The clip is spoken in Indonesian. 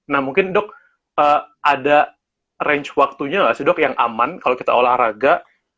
nah mungkin dok ada range waktunya nggak sih dok yang aman kalau kita olahraga